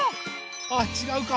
あちがうか。